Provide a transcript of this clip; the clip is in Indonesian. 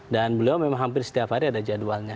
dan beliau memang hampir setiap hari ada jadwalnya